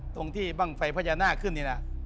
ตรงที่บรรกาภัยพระยะหน้าขึ้น